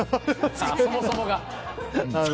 そもそもが。